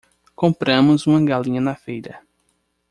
Compramos uma galinha na feira